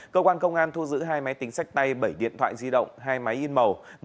cơ quan công an thu giữ hai máy tính sách tay bảy điện thoại di động hai máy in màu